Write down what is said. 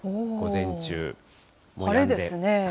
午前中、晴れですね。